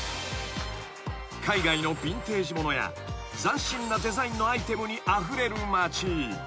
［海外のビンテージ物や斬新なデザインのアイテムにあふれる街］